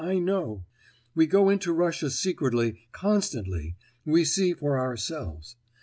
I know. We go into Russia secretly, constantly; we see for ourselves.